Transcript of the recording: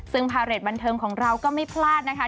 ซึ่งพาเรทบันเทิงของเราก็ไม่พลาดนะคะ